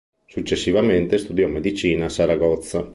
Successivamente studiò medicina a Saragozza.